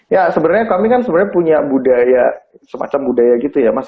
ya sebenarnya kami kan sebenarnya punya budaya semacam budaya gitu ya mas